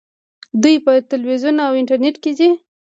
دوی په تلویزیون او انټرنیټ کې دي.